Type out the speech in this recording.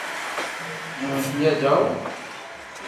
ھون انڌيا جاو